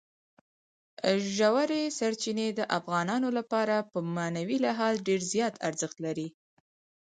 ژورې سرچینې د افغانانو لپاره په معنوي لحاظ ډېر زیات ارزښت لري.